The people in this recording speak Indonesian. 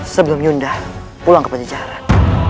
sebelum yunda pulang ke penjara